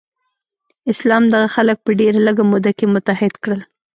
اسلام دغه خلک په ډیره لږه موده کې متحد کړل.